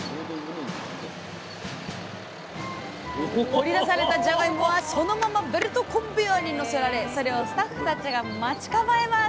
掘り出されたじゃがいもはそのままベルトコンベヤーにのせられそれをスタッフたちが待ち構えます